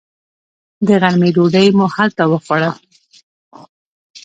د غرمې ډوډۍ مو هلته وخوړل.